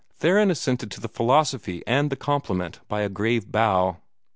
Theron assented to the philosophy and the compliment by a grave bow.